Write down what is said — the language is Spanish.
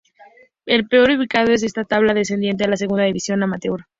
El peor ubicado en esta tabla, desciende a la Segunda División Amateur.